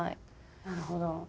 なるほど。